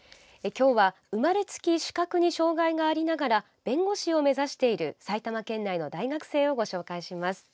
今日は、生まれつき視覚に障害がありながら弁護士を目指している埼玉県内の大学生をご紹介します。